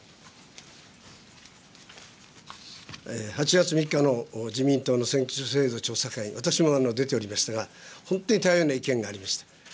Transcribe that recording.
８月３日の自民党の選挙制度調査会、私も出ておりましたが、本当に多様な意見がありました。